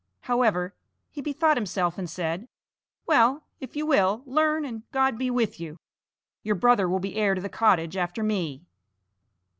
However, he bethought himself and said: "Well, if you will, learn, and God be with you! Your brother will be heir to the cottage after me."